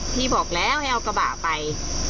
พี่บอกแล้วให้เอากระบะไป